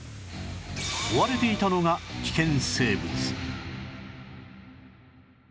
追われていたのが危険生物